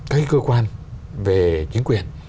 cái cơ quan về chính quyền